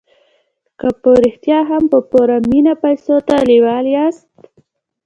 که په رښتیا هم په پوره مينه پيسو ته لېوال ياست.